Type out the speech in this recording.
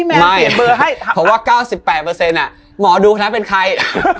เพราะว่า๙๘หมอดูคนนั้นเป็นใคร